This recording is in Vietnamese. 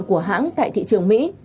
của hãng tại thị trường mỹ